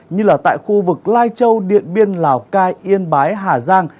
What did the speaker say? như là tại khu vực lai châu điện biên lào cai yên bái hà giang